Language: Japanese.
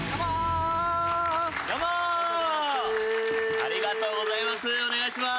ありがとうございます。